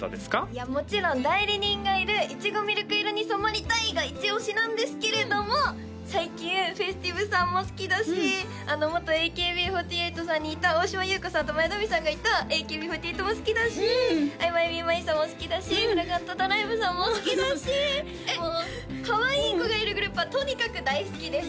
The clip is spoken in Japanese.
いやもちろん代理人がいるいちごみるく色に染まりたい。がイチオシなんですけれども最近ＦＥＳ☆ＴＩＶＥさんも好きだし元ＡＫＢ４８さんにいた大島優子さんと前田亜美さんがいたＡＫＢ４８も好きだしＩＭＹＭＥＭＩＮＥさんも好きだしＦｒａｇｒａｎｔＤｒｉｖｅさんも好きだしもうかわいい子がいるグループはとにかく大好きです